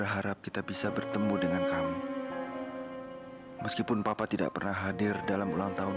hari sekarang lega bu